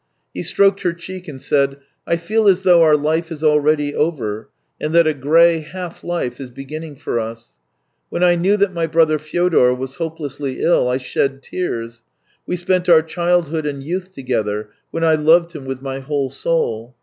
He stroked her cheek and said: " I feel as though our life is already over, and that a grey half life is beginning for us. Wli'.n I knew that my brother Fyodor was hope lessly ill, I shed tears; we spent our childhood and youth together, when I loved him with my whole soul.